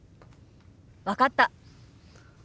分かった。